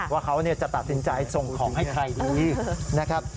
ว่าเขาจะตัดสินใจส่งของให้ใครดีนะครับ